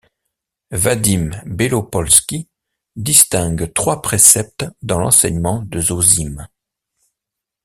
Vadim Belopolski distingue trois préceptes dans l'enseignement de Zosime.